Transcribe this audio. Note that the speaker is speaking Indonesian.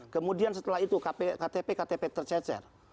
kemudian setelah itu ktp ktp tercecer